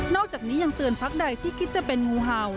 อกจากนี้ยังเตือนพักใดที่คิดจะเป็นงูเห่า